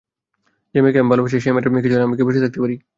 যে মেয়েকে আমি ভালোবাসি, সে মেয়ের কিছু হলে আমি কি বসে থাকতে পারি?